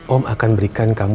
om akan berikan kamu